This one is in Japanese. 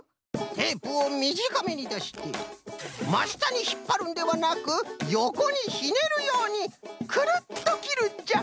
テープをみじかめにだしてましたにひっぱるんではなくよこにひねるようにくるっときるんじゃ。